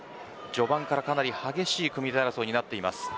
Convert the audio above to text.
序盤から激しい組み手争いになっています。